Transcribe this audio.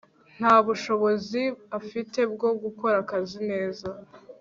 nta bushobozi afite bwo gukora akazi neza